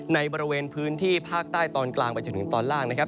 ในบริเวณพื้นที่ภาคใต้ตอนกลางไปจนถึงตอนล่างนะครับ